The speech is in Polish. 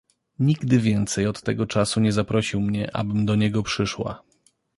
"Nigdy więcej od tego czasu nie zaprosił mnie, abym do niego przyszła."